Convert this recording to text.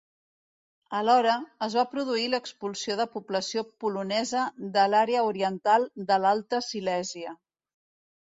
Alhora, es va produir l'expulsió de població polonesa de l'àrea oriental de l'Alta Silèsia.